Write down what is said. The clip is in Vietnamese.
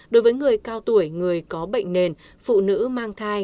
đối với người cao tuổi người có bệnh nền phụ nữ mang thai